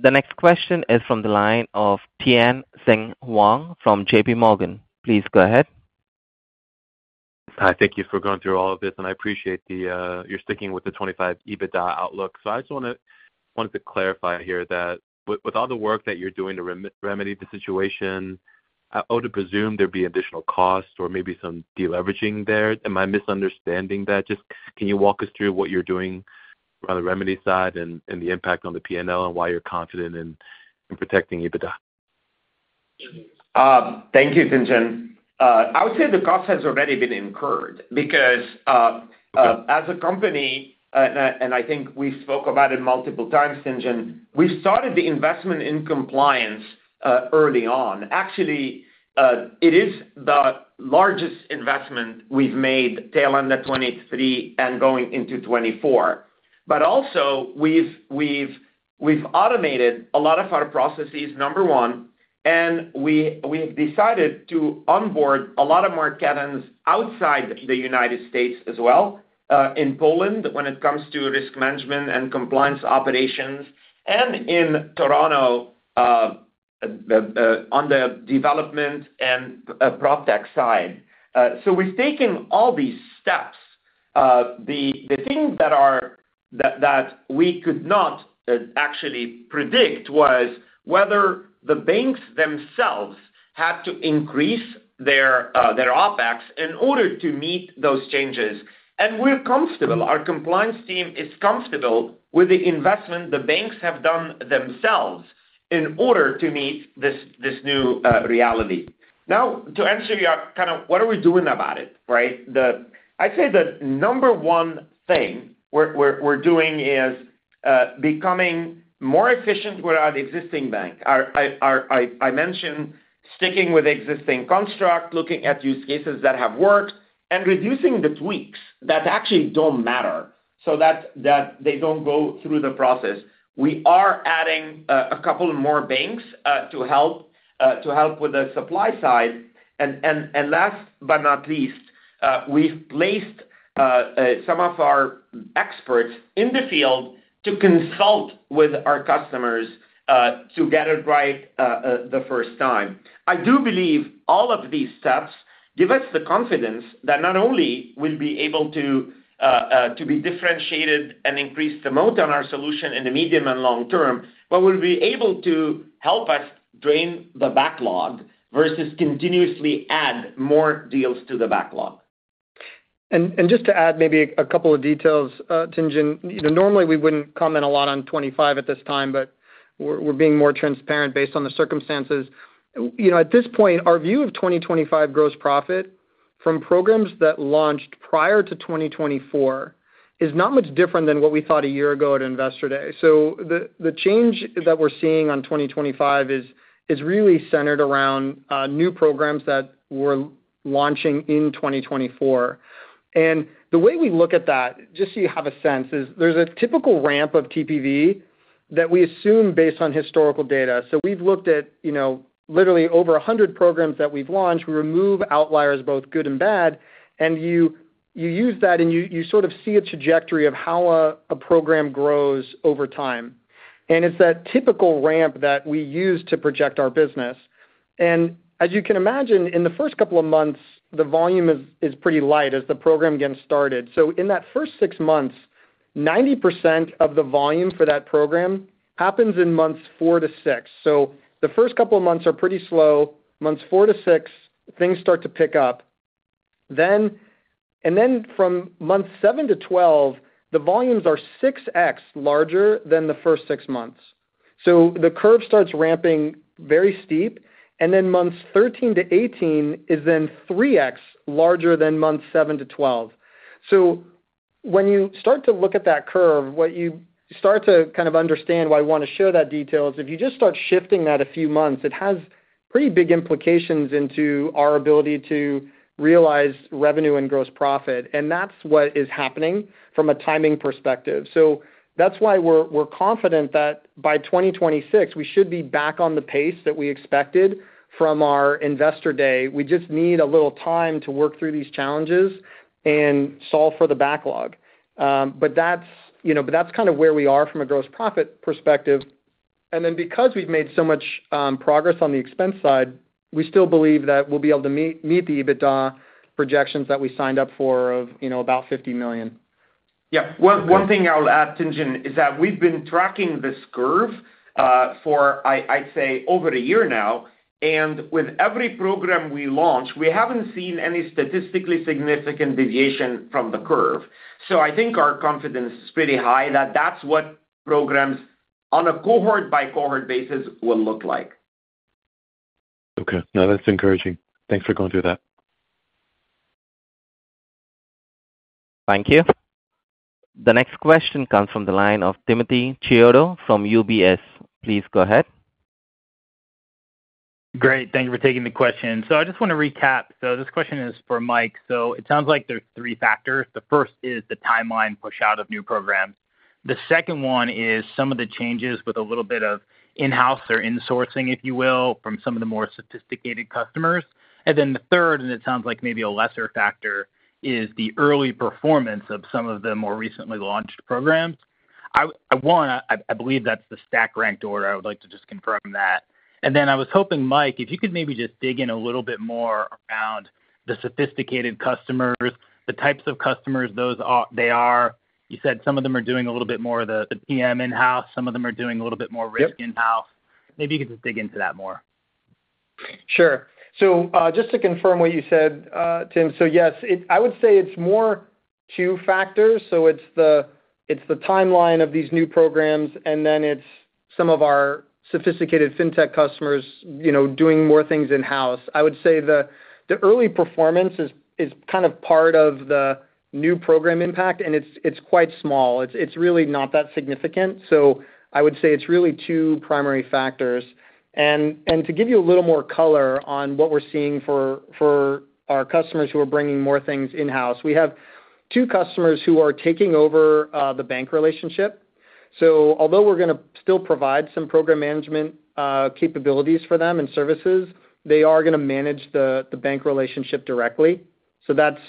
The next question is from the line of Tien-tsin Huang from JPMorgan. Please go ahead. Hi. Thank you for going through all of this. And I appreciate your sticking with the 2025 EBITDA outlook. So I just wanted to clarify here that with all the work that you're doing to remedy the situation, I ought to presume there'd be additional costs or maybe some deleveraging there. Am I misunderstanding that? Just can you walk us through what you're doing around the remedy side and the impact on the P&L and why you're confident in protecting EBITDA? Thank you, Tien-tsin. I would say the cost has already been incurred because as a company, and I think we spoke about it multiple times, Tien-tsin, we started the investment in compliance early on. Actually, it is the largest investment we've made tail end of 2023 and going into 2024. But also, we've automated a lot of our processes, number one, and we have decided to onboard a lot of Marqeta's outside the United States as well in Poland when it comes to risk management and compliance operations and in Toronto on the development and prop tech side. So we've taken all these steps. The thing that we could not actually predict was whether the banks themselves had to increase their OpEx in order to meet those changes. And we're comfortable. Our compliance team is comfortable with the investment the banks have done themselves in order to meet this new reality. Now, to answer your kind of what are we doing about it, right? I'd say the number one thing we're doing is becoming more efficient with our existing bank. I mentioned sticking with existing construct, looking at use cases that have worked, and reducing the tweaks that actually don't matter so that they don't go through the process. We are adding a couple more banks to help with the supply side. And last but not least, we've placed some of our experts in the field to consult with our customers to get it right the first time. I do believe all of these steps give us the confidence that not only will we be able to be differentiated and increase the moat on our solution in the medium and long term, but will be able to help us drain the backlog versus continuously add more deals to the backlog. And just to add maybe a couple of details, Tien-tsin, normally we wouldn't comment a lot on 2025 at this time, but we're being more transparent based on the circumstances. At this point, our view of 2025 gross profit from programs that launched prior to 2024 is not much different than what we thought a year ago at investor day. So the change that we're seeing on 2025 is really centered around new programs that were launching in 2024. And the way we look at that, just so you have a sense, is there's a typical ramp of TPV that we assume based on historical data. So we've looked at literally over 100 programs that we've launched. We remove outliers, both good and bad, and you use that, and you sort of see a trajectory of how a program grows over time. And it's that typical ramp that we use to project our business. And as you can imagine, in the first couple of months, the volume is pretty light as the program gets started. So in that first 6 months, 90% of the volume for that program happens in months 4-6. So the first couple of months are pretty slow. Months 4-6, things start to pick up. And then from months 7-12, the volumes are 6x larger than the first 6 months. So the curve starts ramping very steep. And then months 13-18 is then 3x larger than months 7-12. So when you start to look at that curve, what you start to kind of understand why we want to show that detail is if you just start shifting that a few months, it has pretty big implications into our ability to realize revenue and gross profit. And that's what is happening from a timing perspective. So that's why we're confident that by 2026, we should be back on the pace that we expected from our Investor Day. We just need a little time to work through these challenges and solve for the backlog. But that's kind of where we are from a gross profit perspective. And then because we've made so much progress on the expense side, we still believe that we'll be able to meet the EBITDA projections that we signed up for of about $50 million. Yeah. One thing I'll add, Tien-tsin, is that we've been tracking this curve for, I'd say, over a year now. And with every program we launch, we haven't seen any statistically significant deviation from the curve. So I think our confidence is pretty high that that's what programs on a cohort-by-cohort basis will look like. Okay. No, that's encouraging. Thanks for going through that. Thank you. The next question comes from the line of Timothy Chiodo from UBS. Please go ahead. Great. Thank you for taking the question. So I just want to recap. So this question is for Mike. So it sounds like there's 3 factors. The first is the timeline push-out of new programs. The second one is some of the changes with a little bit of in-house or insourcing, if you will, from some of the more sophisticated customers. And then the third, and it sounds like maybe a lesser factor, is the early performance of some of the more recently launched programs. I believe that's the stack ranked order. I would like to just confirm that. And then I was hoping, Mike, if you could maybe just dig in a little bit more around the sophisticated customers, the types of customers they are. You said some of them are doing a little bit more of the PM in-house. Some of them are doing a little bit more risk in-house. Maybe you could just dig into that more. Sure. So just to confirm what you said, Tim, so yes, I would say it's more 2 factors. So it's the timeline of these new programs, and then it's some of our sophisticated fintech customers doing more things in-house. I would say the early performance is kind of part of the new program impact, and it's quite small. It's really not that significant. So I would say it's really 2 primary factors. And to give you a little more color on what we're seeing for our customers who are bringing more things in-house, we have 2 customers who are taking over the bank relationship. So although we're going to still provide some program management capabilities for them and services, they are going to manage the bank relationship directly. So that's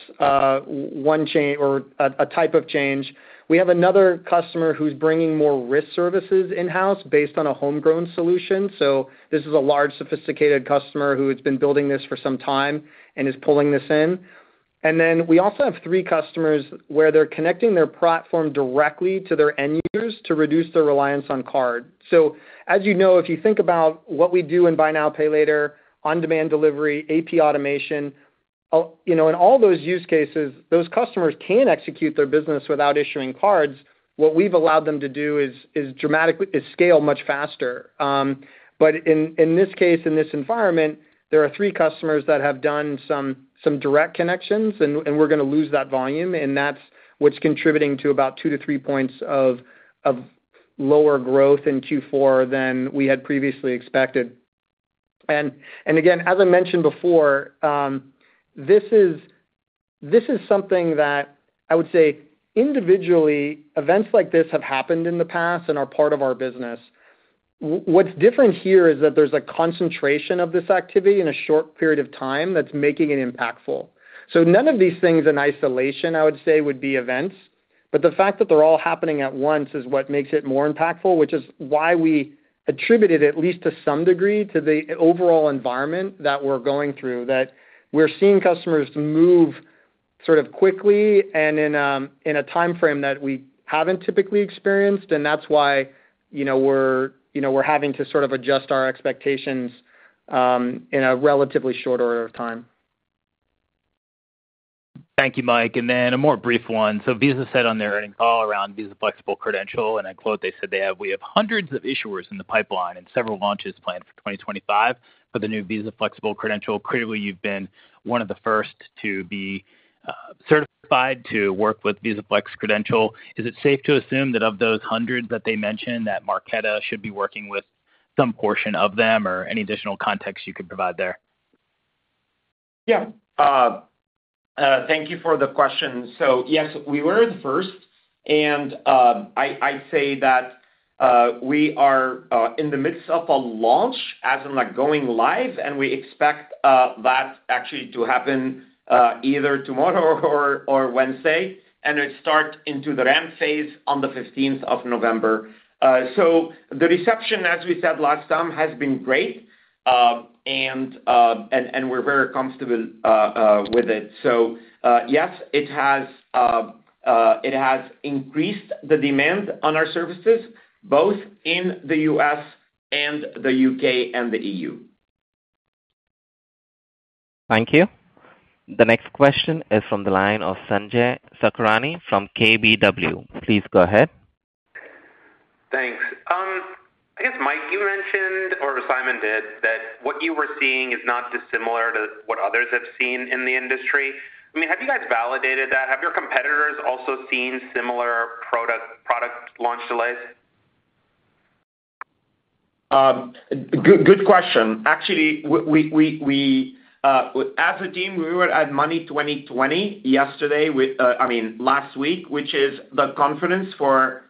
one change or a type of change. We have another customer who's bringing more risk services in-house based on a homegrown solution. So this is a large sophisticated customer who has been building this for some time and is pulling this in. And then we also have 3 customers where they're connecting their platform directly to their end users to reduce their reliance on card. So as you know, if you think about what we do in buy now, pay later, on-demand delivery, AP automation, in all those use cases, those customers can execute their business without issuing cards. What we've allowed them to do is scale much faster. But in this case, in this environment, there are 3 customers that have done some direct connections, and we're going to lose that volume. And that's what's contributing to about 2-3 points of lower growth in Q4 than we had previously expected. And again, as I mentioned before, this is something that I would say individually events like this have happened in the past and are part of our business. What's different here is that there's a concentration of this activity in a short period of time that's making it impactful. So none of these things in isolation, I would say, would be events. But the fact that they're all happening at once is what makes it more impactful, which is why we attributed it at least to some degree to the overall environment that we're going through, that we're seeing customers move sort of quickly and in a timeframe that we haven't typically experienced. And that's why we're having to sort of adjust our expectations in a relatively short order of time. Thank you, Mike. And then a more brief one. So, Visa said on their earnings call around Visa Flexible Credential, and I quote, they said, "We have hundreds of issuers in the pipeline and several launches planned for 2025 for the new Visa Flexible Credential. Clearly, you've been one of the first to be certified to work with Visa Flex Credential. Is it safe to assume that of those hundreds that they mentioned that Marqeta should be working with some portion of them or any additional context you could provide there?" Yeah. Thank you for the question. So, yes, we were the first. And I'd say that we are in the midst of a launch as of going live, and we expect that actually to happen either tomorrow or Wednesday, and it starts into the ramp phase on the 15th of November. So, the reception, as we said last time, has been great, and we're very comfortable with it. So yes, it has increased the demand on our services both in the U.S. and the U.K. and the E.U. Thank you. The next question is from the line of Sanjay Sakhrani from KBW. Please go ahead. Thanks. I guess, Mike, you mentioned, or Simon did, that what you were seeing is not dissimilar to what others have seen in the industry. I mean, have you guys validated that? Have your competitors also seen similar product launch delays? Good question. Actually, as a team, we were at Money20/20 yesterday, I mean, last week, which is the conference for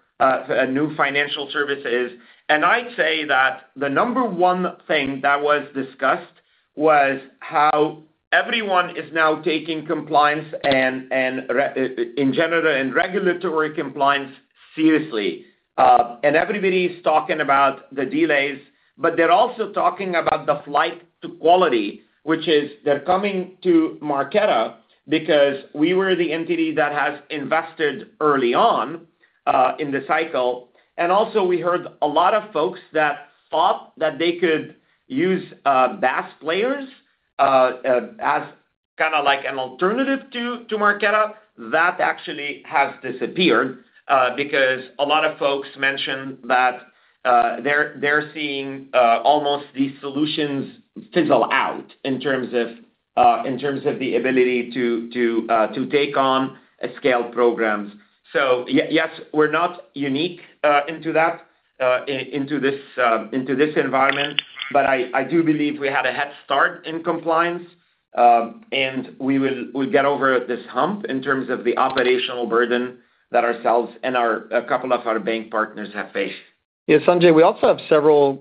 new financial services, and I'd say that the number one thing that was discussed was how everyone is now taking compliance and in general and regulatory compliance seriously. Everybody is talking about the delays, but they're also talking about the flight to quality, which is they're coming to Marqeta because we were the entity that has invested early on in the cycle. And also, we heard a lot of folks that thought that they could use BaaS players as kind of like an alternative to Marqeta. That actually has disappeared because a lot of folks mentioned that they're seeing almost these solutions fizzle out in terms of the ability to take on scale programs. So yes, we're not immune to this environment, but I do believe we had a head start in compliance, and we will get over this hump in terms of the operational burden that ourselves and a couple of our bank partners have faced. Sanjay, we also have several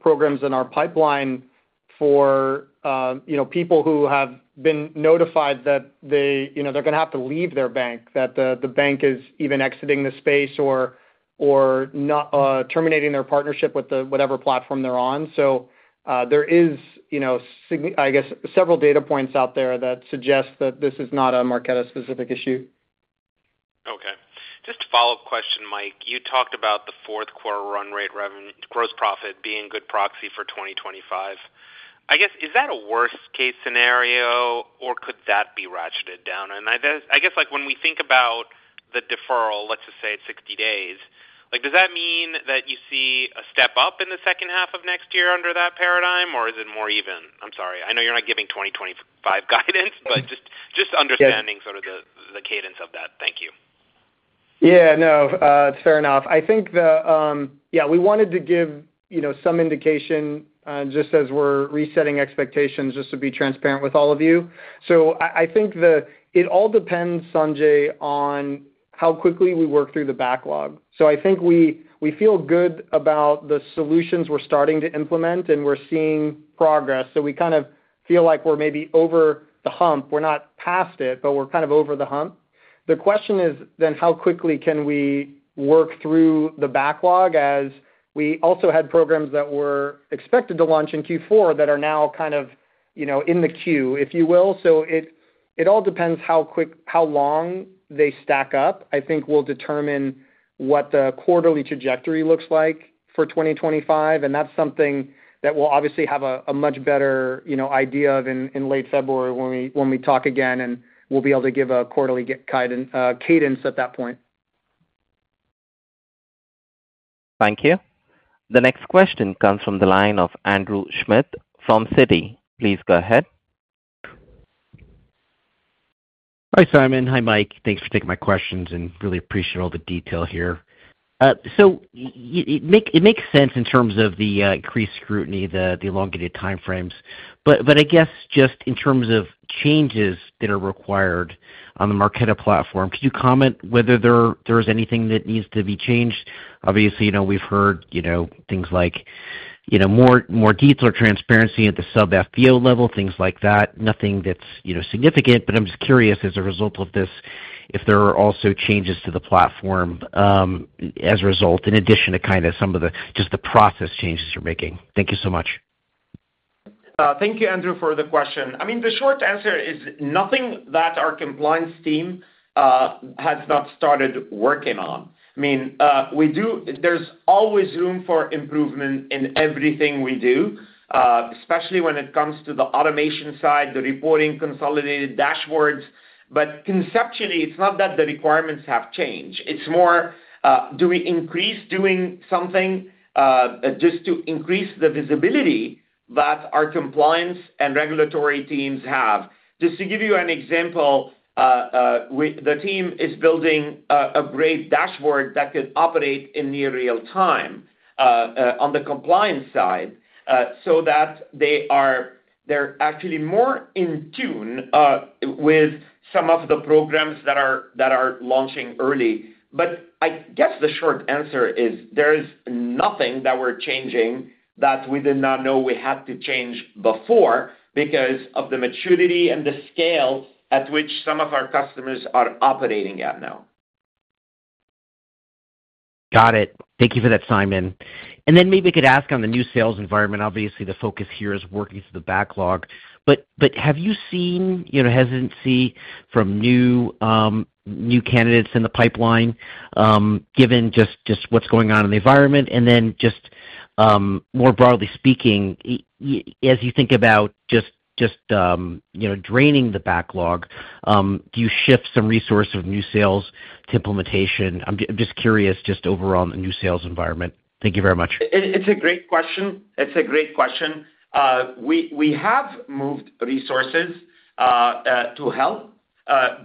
programs in our pipeline for people who have been notified that they're going to have to leave their bank, that the bank is even exiting the space or terminating their partnership with whatever platform they're on. So there is, I guess, several data points out there that suggest that this is not a Marqeta-specific issue. Okay. Just a follow-up question, Mike. You talked about the fourth quarter run rate gross profit being a good proxy for 2025. I guess, is that a worst-case scenario, or could that be ratcheted down? And I guess when we think about the deferral, let's just say it's 60 days, does that mean that you see a step up in the second half of next year under that paradigm, or is it more even? I'm sorry. I know you're not giving 2025 guidance, but just understanding sort of the cadence of that. Thank you. Yeah. No, it's fair enough. I think, yeah, we wanted to give some indication just as we're resetting expectations just to be transparent with all of you. So I think it all depends, Sanjay, on how quickly we work through the backlog. So I think we feel good about the solutions we're starting to implement, and we're seeing progress. So we kind of feel like we're maybe over the hump. We're not past it, but we're kind of over the hump. The question is then how quickly can we work through the backlog as we also had programs that were expected to launch in Q4 that are now kind of in the queue, if you will. So it all depends how long they stack up. I think we'll determine what the quarterly trajectory looks like for 2025, and that's something that we'll obviously have a much better idea of in late February when we talk again, and we'll be able to give a quarterly cadence at that point. Thank you. The next question comes from the line of Andrew Schmidt from Citi. Please go ahead. Hi, Simon. Hi, Mike. Thanks for taking my questions and really appreciate all the detail here, so it makes sense in terms of the increased scrutiny, the elongated timeframes, but I guess just in terms of changes that are required on the Marqeta platform, could you comment whether there is anything that needs to be changed? Obviously, we've heard things like more detail or transparency at the sub-FBO level, things like that. Nothing that's significant. But I'm just curious as a result of this if there are also changes to the platform as a result in addition to kind of some of the just the process changes you're making. Thank you so much. Thank you, Andrew, for the question. I mean, the short answer is nothing that our compliance team has not started working on. I mean, there's always room for improvement in everything we do, especially when it comes to the automation side, the reporting, consolidated dashboards. But conceptually, it's not that the requirements have changed. It's more do we increase doing something just to increase the visibility that our compliance and regulatory teams have. Just to give you an example, the team is building a great dashboard that could operate in near real time on the compliance side so that they're actually more in tune with some of the programs that are launching early, but I guess the short answer is there is nothing that we're changing that we did not know we had to change before because of the maturity and the scale at which some of our customers are operating at now. Got it. Thank you for that, Simon, and then maybe I could ask on the new sales environment. Obviously, the focus here is working through the backlog. But have you seen hesitancy from new candidates in the pipeline given just what's going on in the environment? And then just more broadly speaking, as you think about just draining the backlog, do you shift some resources from new sales to implementation? I'm just curious just overall in the new sales environment. Thank you very much. It's a great question. We have moved resources to help.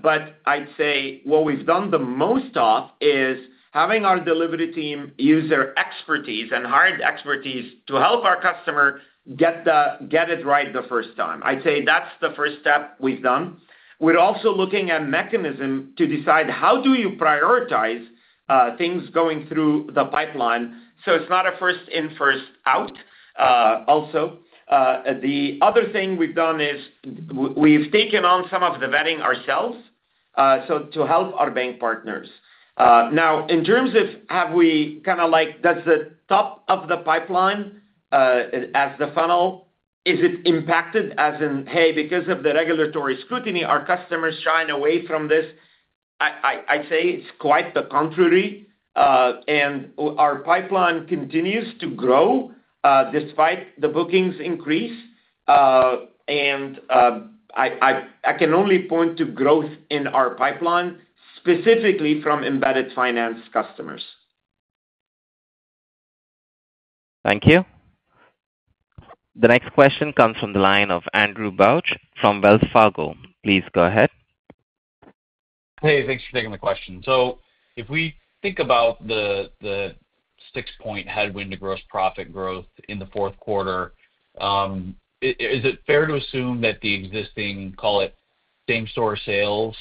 But I'd say what we've done the most of is having our delivery team use their expertise and hire the expertise to help our customer get it right the first time. I'd say that's the first step we've done. We're also looking at a mechanism to decide how do you prioritize things going through the pipeline so it's not a first in, first out also. The other thing we've done is we've taken on some of the vetting ourselves to help our bank partners. Now, in terms of have we kind of like that's the top of the pipeline as the funnel. Is it impacted as in, "Hey, because of the regulatory scrutiny, our customers shying away from this?" I'd say it's quite the contrary, and our pipeline continues to grow despite the bookings increase, and I can only point to growth in our pipeline specifically from embedded finance customers. Thank you. The next question comes from the line of Andrew Bauch from Wells Fargo. Please go ahead. Hey, thanks for taking the question. So if we think about the 6-point headwind to gross profit growth in the fourth quarter, is it fair to assume that the existing, call it same-store sales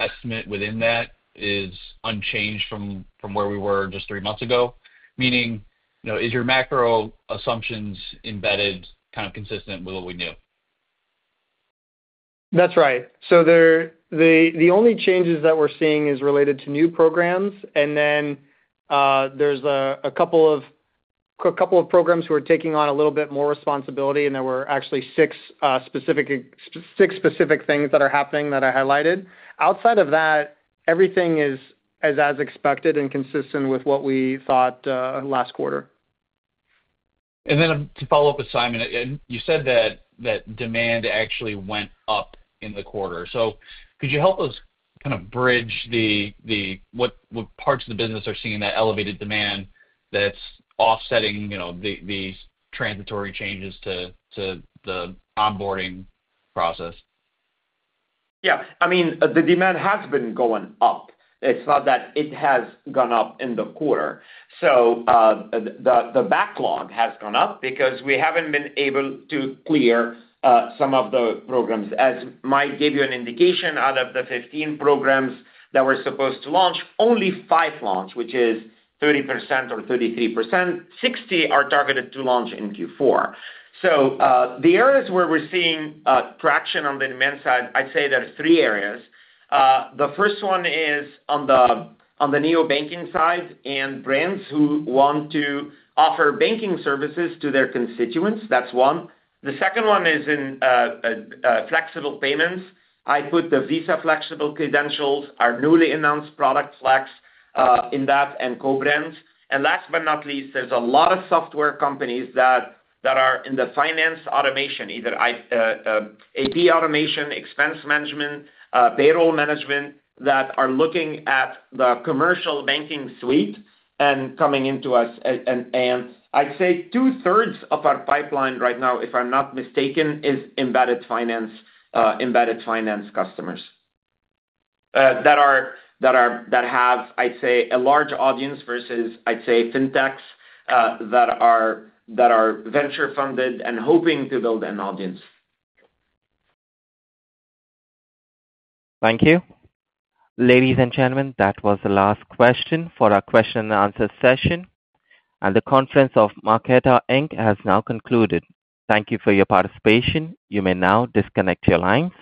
estimate within that is unchanged from where we were just 3 months ago? Meaning, is your macro assumptions embedded kind of consistent with what we knew? That's right, so the only changes that we're seeing is related to new programs. And then there's a couple of programs who are taking on a little bit more responsibility. And there were actually 6 specific things that are happening that I highlighted. Outside of that, everything is as expected and consistent with what we thought last quarter. And then to follow up with Simon, you said that demand actually went up in the quarter. So could you help us kind of bridge what parts of the business are seeing that elevated demand that's offsetting these transitory changes to the onboarding process? Yeah. I mean, the demand has been going up. It's not that it has gone up in the quarter. So the backlog has gone up because we haven't been able to clear some of the programs. As Mike gave you an indication, out of the 15 programs that were supposed to launch, only 5 launched, which is 30% or 33. 60 are targeted to launch in Q4. So the areas where we're seeing traction on the demand side, I'd say there are 3 areas. The first one is on the neobanking side and brands who want to offer banking services to their constituents. That's one. The second one is in flexible payments. I put the Visa Flexible Credentials, our newly announced product flex in that, and co-brands. And last but not least, there's a lot of software companies that are in the finance automation, either AP automation, expense management, payroll management that are looking at the commercial banking suite and coming into us. And I'd say two-thirds of our pipeline right now, if I'm not mistaken, is embedded finance customers that have, I'd say, a large audience versus, I'd say, fintechs that are venture-funded and hoping to build an audience. Thank you. Ladies and gentlemen, that was the last question for our question-and-answer session. And the conference of Marqeta, Inc. has now concluded. Thank you for your participation. You may now disconnect your lines.